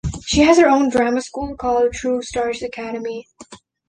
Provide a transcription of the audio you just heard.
She has her own drama school called True Stars Academy.